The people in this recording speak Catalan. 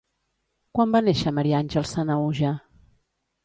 Quan va néixer Maria Àngels Sanahuja?